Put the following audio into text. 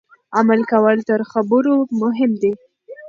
عمل کول تر خبرو مهم دي.